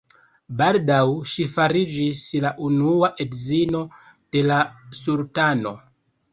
Baldaŭ ŝi fariĝis la Unua edzino de la sultano.